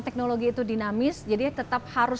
teknologi itu dinamis jadi tetap harus